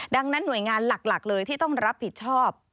ดังนั้นหน่วยงานหลักเลยที่ต้องรับผิดชอบ